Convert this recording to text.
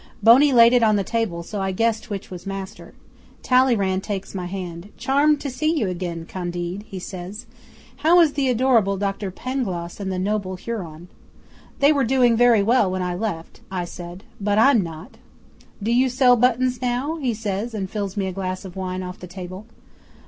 'Boney laid it on the table, so I guessed which was master. Talleyrand takes my hand "Charmed to see you again, Candide," he says. "How is the adorable Dr Pangloss and the noble Huron?" '"They were doing very well when I left," I said. "But I'm not." '"Do you sell buttons now?" he says, and fills me a glass of wine off the table.